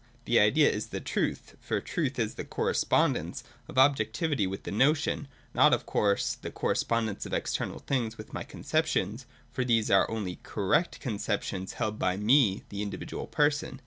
The Idea is the Truth : for Truth is the correspondence of objectivity with the notion :— not of course the correspondence of external things with my conceptions, — for these are only correct conceptions held by me, the individual person.